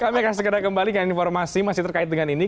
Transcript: kami akan segera kembalikan informasi masih terkait dengan ini